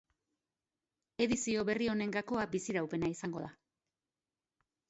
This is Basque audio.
Edizio berri honen gakoa biziraupena izango da.